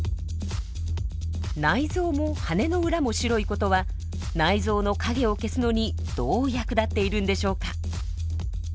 内臓も羽の裏も白いことは内臓の影を消すのにどう役立っているんでしょうか？